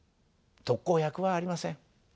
特効薬はありません。